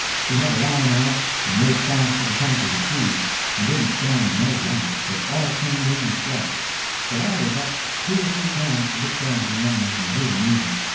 We had a line out and made fast to the top of a tree, and didn't stand no watch, but all turned in and slept; but I was up two or three times to look down at the animals and hear the music.